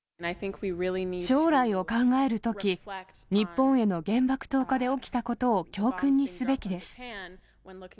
将来を考えるとき、日本への原爆投下で起きたことを教訓にすべきです。